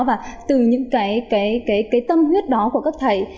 và từ những cái tâm huyết đó của các thầy